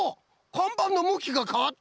かんばんのむきがかわってる！